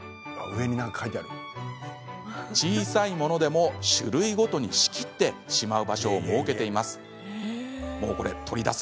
小さいものでも種類ごとに仕切ってしまう場所を設けています。